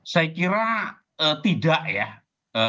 saya kira tidak ya